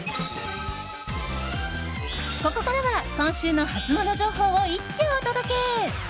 ここからは今週のハツモノ情報を一挙お届け。